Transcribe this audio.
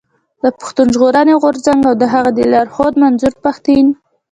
د پښتون ژغورني غورځنګ او د هغه د لارښود منظور پښتين.